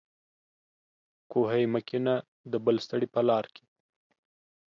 کوهي مه کنه د بل سړي په لار کې